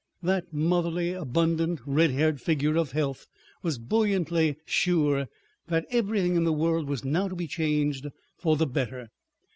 That motherly, abundant, red haired figure of health was buoyantly sure that everything in the world was now to be changed for the better.